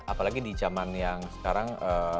apalagi di zaman yang sekarang